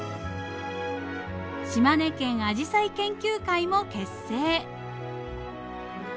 島根県アジサイ研究会も結成。